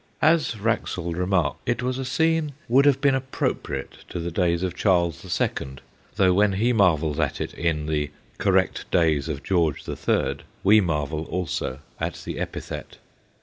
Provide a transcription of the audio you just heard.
As Wraxall remarks, it was a scene would have been appropriate to the days of Charles the Second, though when he marvels at it in the ' correct days of George the Third/ we marvel also at the epithet.